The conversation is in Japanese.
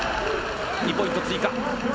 ２ポイント追加。